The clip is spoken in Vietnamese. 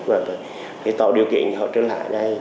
và tạo điều kiện cho họ trở lại